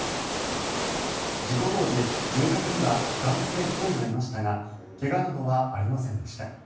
事故当時、住宅には男性１人がいましたが怪我などはありませんでした。